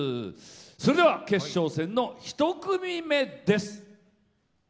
それでは決勝戦の１組目です。